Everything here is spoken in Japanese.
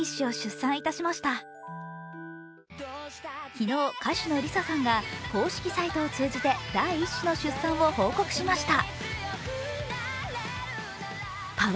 昨日、歌手のＬｉＳＡさんが公式サイトを通じて第１子の出産を報告しました。